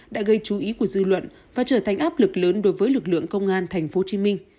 đã gây chú ý của dư luận và trở thành áp lực lớn đối với lực lượng công an tp hcm